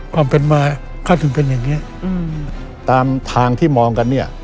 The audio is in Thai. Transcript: ความเป็นมาเขาถึงเป็นอย่างนี้ตามทางที่มองกันเนี่ย